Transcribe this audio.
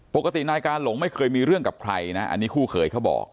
ปกตินายกาหลงไม่เคยมีเรื่องกับใครนะอันนี้คู่เขยเขาบอก